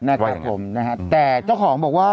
แหละครับผมแต่เจ้าของบอกว่า